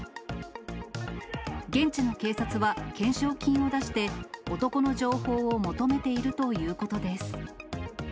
現地の警察は懸賞金を出して、男の情報を求めているということです。